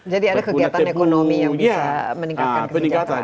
jadi ada kegiatan ekonomi yang bisa meningkatkan kesejahteraan